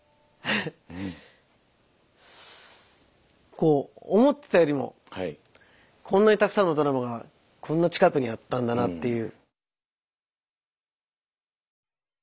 こう思ってたよりもこんなにたくさんのドラマがこんな近くにあったんだなっていう。